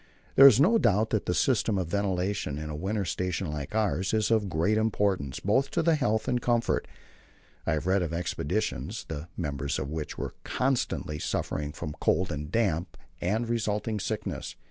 There is no doubt that the system of ventilation in a winter station like ours is of great importance, both to health and comfort. I have read of expeditions, the members of which were constantly suffering from cold and damp and resulting sickness.